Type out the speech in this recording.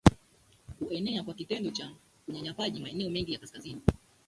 kuenea kwa kitendo cha unyanyapaji maeneo mengi ya kazini